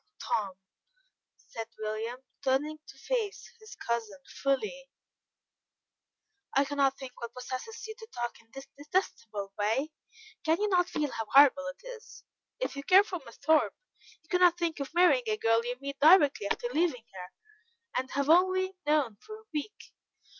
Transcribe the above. "Tom," said William, turning to face his cousin fully, "I cannot think what possesses you to talk in this detestable way. Can you not feel how horrible it is? If you care for Miss Thorpe, you cannot think of marrying a girl you meet directly after leaving her, and have only known for a week.